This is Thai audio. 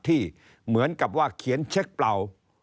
ที่เหมือนกับว่าเขียนเช็คเปล่า